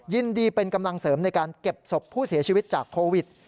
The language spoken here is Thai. ยินดีเป็นกำลังเสริมในการเก็บศพผู้เสียชีวิตจากโควิด